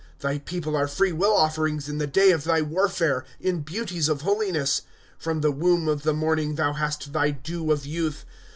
' Thy people are free will offerings in the day of thy warfare, in beauties of hohness ; From the womb of the morning thou hast thy dew of youth.